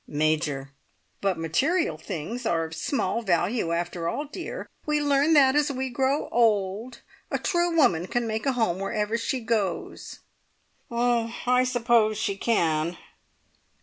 (Major.) But material things are of small value, after all, dear. We learn that as we grow old! A true woman can make a home wherever she goes " "I I suppose she can."